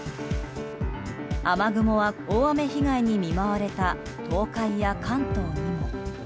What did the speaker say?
雨雲は大雨被害に見舞われた東海や関東にも。